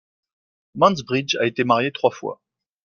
Mansbridge a été marié trois fois.